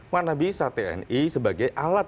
mana bisa tni sebagai alat